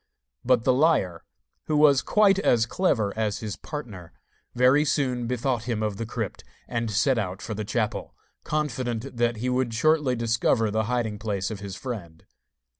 But the liar, who was quite as clever as his partner, very soon bethought him of the crypt, and set out for the chapel, confident that he would shortly discover the hiding place of his friend.